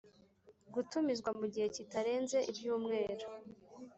gutumizwa mu gihe kitarenze ibyumweru